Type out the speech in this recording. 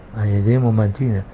nah ya jadi memancing ya